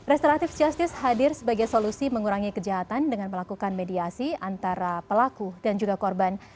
restoratif justice hadir sebagai solusi mengurangi kejahatan dengan melakukan mediasi antara pelaku dan juga korban